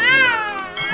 gak baik ya